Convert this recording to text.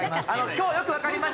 今日よくわかりました。